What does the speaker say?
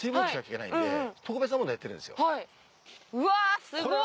うわすごい。